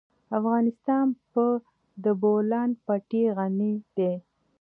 افغانستان په د بولان پټي غني دی.